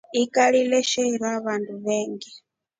Ikari leshiira vandu veengi.